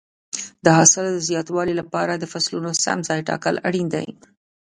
د حاصل د زیاتوالي لپاره د فصلونو سم ځای ټاکل اړین دي.